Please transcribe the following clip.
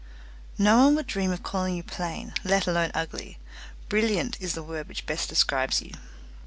"No one would dream of calling you plain, let alone ugly; brilliant is the word which best describes you."